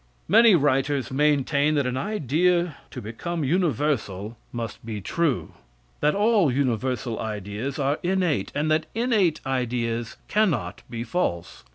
Many writers maintain that an idea to become universal must be true; that all universal ideas are innate, and that innate ideas cannot be false.